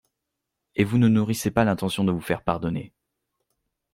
Et vous ne nourrissez pas l'intention de vous faire pardonner!